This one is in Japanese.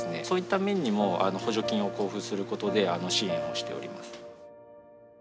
そういった面にも補助金を交付することで支援をしております。